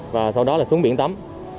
và sau đó là xuống biển tắm